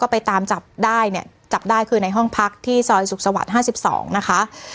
ไปตามจับได้เนี่ยจับได้คือในห้องพักที่ซอยสุขสวรรค์๕๒นะคะ